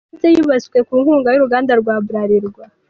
Iyi nzu ya Kayonza, yubatswe ku nkunga y’uruganda rwa Bralirwa.